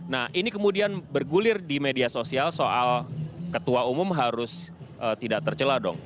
nah ini kemudian bergulir di media sosial soal ketua umum harus tidak tercelah dong